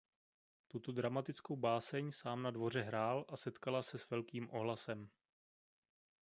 Tuto dramatickou báseň sám na dvoře hrál a setkala se s velkým ohlasem.